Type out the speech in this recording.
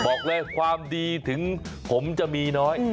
บอกเลยความดีถึงผมจะมีน้อย